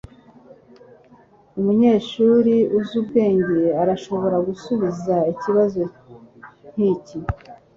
Umunyeshuri uzi ubwenge arashobora gusubiza ikibazo nkiki.